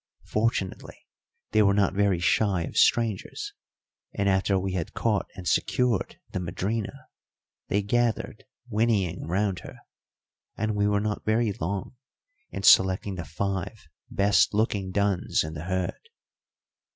Fortunately they were not very shy of strangers, and after we had caught and secured the madrina, they gathered whinnying round her, and we were not very long in selecting the five best looking duns in the herd.